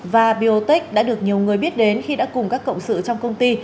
và biotech đã được nhiều người biết đến khi đã cùng các cộng sự trong công ty